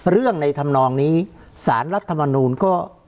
เรื่องในธรรมนองนี้สารรัฐมนุนก็